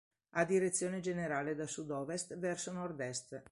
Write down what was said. Ha direzione generale da sud-ovest verso nord-est.